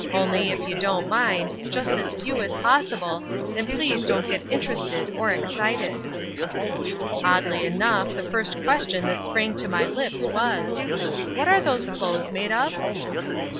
Only, if you don't mind, just as few as possible, and please don't get interested or excited." Oddly enough the first question that sprang to my lips was— "What are those clothes made of?"